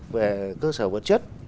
về cơ sở vật chất